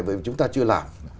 vì chúng ta chưa làm